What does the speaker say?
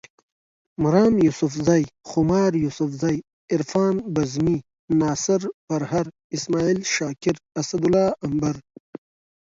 مرام یوسفزے، خمار یوسفزے، عرفان بزمي، ناصر پرهر، اسماعیل شاکر، اسدالله امبر